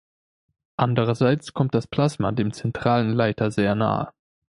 Andererseits kommt das Plasma dem zentralen Leiter sehr nahe.